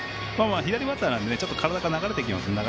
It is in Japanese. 左バッターなので体が流れていきます。